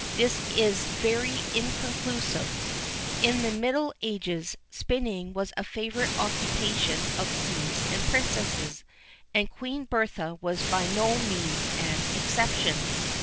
This is very inconclusive. In the middle ages, spinning was a favourite occupation of queens and princesses, and Queen Bertha was by no means an exception.